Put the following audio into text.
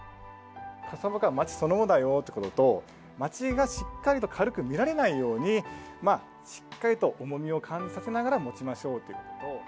傘鉾は町そのものだよっていうことと、町がしっかりと、軽く見られないように、しっかりと重みを感じさせながら持ちましょうということ。